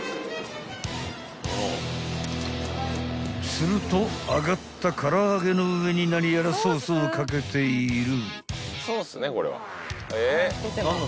［すると揚がった空上げの上に何やらソースを掛けている］